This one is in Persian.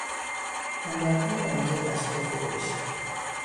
اندامهای عمدهی دستگاه گوارشی